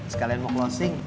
sekalian mau closing